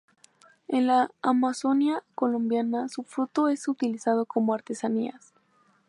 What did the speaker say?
En la amazonia colombiana su fruto es utilizado como artesanías.